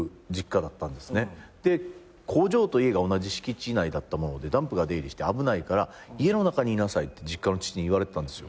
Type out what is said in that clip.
で工場と家が同じ敷地内だったものでダンプが出入りして危ないから家の中にいなさいって実家の父に言われてたんですよ。